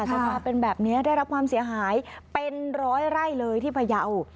สภาพเป็นแบบนี้ได้รับความเสียหายเป็นร้อยไร่เลยที่พยาว